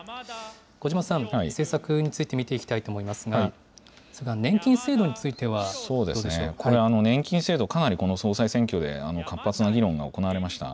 小嶋さん、政策について見ていきたいと思いますが、年金制度につこれ、年金制度、かなりこの総裁選挙で活発な議論が行われました。